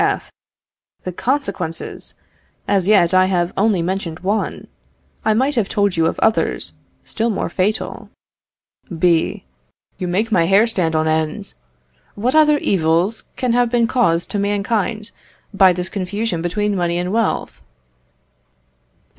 F. The consequences! As yet I have only mentioned one. I might have told you of others still more fatal. B. Yon make my hair stand on end! What other evils can have been caused to mankind by this confusion between money and wealth?